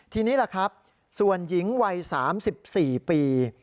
ทีนี้ล่ะครับส่วนหญิงวัย๓๔ปี